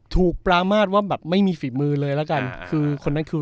ปรามาทว่าแบบไม่มีฝีมือเลยแล้วกันคือคนนั้นคือ